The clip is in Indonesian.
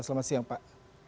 selamat siang pak